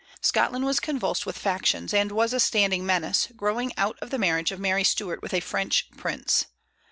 Scotland was convulsed with factions, and was a standing menace, growing out of the marriage of Mary Stuart with a French prince.